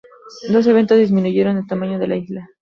Dos eventos disminuyeron el tamaño de la isla.